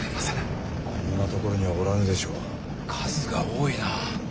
数が多いなあ。